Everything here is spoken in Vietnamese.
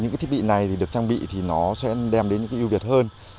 những thiết bị này được trang bị sẽ đem đến những ưu việt hơn